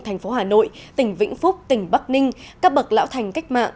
thành phố hà nội tỉnh vĩnh phúc tỉnh bắc ninh các bậc lão thành cách mạng